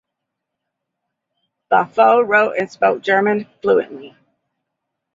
Baffoe wrote and spoke German fluently.